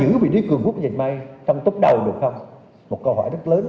chúng ta giữ vị trí cường quốc của dạy mai trong tốc đầu được không